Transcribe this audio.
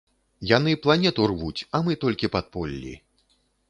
Яны планету рвуць, а мы толькі падполлі.